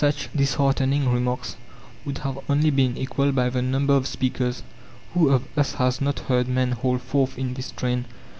Such disheartening remarks would have only been equalled by the number of speakers. Who of us has not heard men hold forth in this strain?